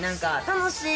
楽しい？